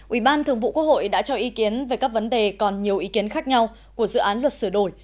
ubnd đã cho ý kiến về các vấn đề còn nhiều ý kiến khác nhau của dự án luật sửa đổi